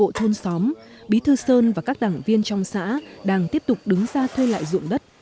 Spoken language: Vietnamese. các tri bộ thôn xóm bí thư sơn và các đảng viên trong xã đang tiếp tục đứng ra thuê lại dụng đất